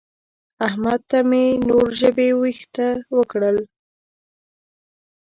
احمد ته مې نور ژبې وېښته وکړل.